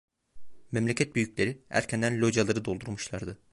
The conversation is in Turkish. Memleket büyükleri erkenden locaları doldurmuşlardı.